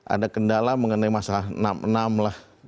ada kendala mengenai masalah enam enam lah